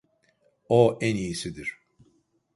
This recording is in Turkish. O en iyisidir.